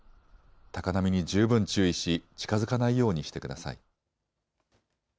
高波に十分注意し近づかないようにしてください。